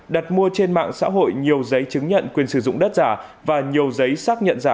đặt mua trên mạng xã hội nhiều giấy chứng nhận quyền sử dụng đất giả và nhiều giấy xác nhận giả